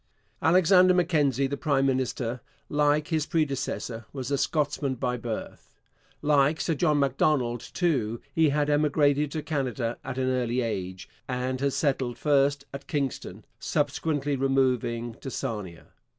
Alexander Mackenzie, the prime minister, like his predecessor, was a Scotsman by birth. Like Sir John Macdonald, too, he had emigrated to Canada at an early age and had settled first at Kingston, subsequently removing to Sarnia.